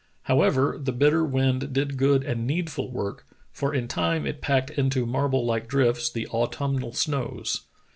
However, the bitter wind did good and needful work, for in time it packed into marble like drifts the autum nal snows.